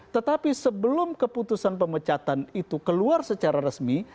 tetapi sebelum keputusan pemecatan itu keluar secara resmi